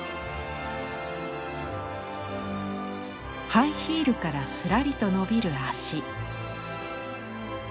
ハイヒールからすらりと伸びる脚。